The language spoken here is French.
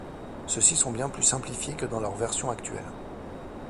Ceux-ci sont bien plus simplifiés que dans leur version actuelle.